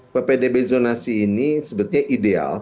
ppdb zonasi ini sebetulnya ideal